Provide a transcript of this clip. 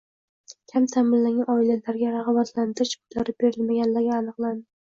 Kam ta’minlangan oilalarga rag‘batlantirilish pullari berilmagani aniqlandi